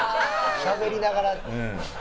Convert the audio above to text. しゃべりながら。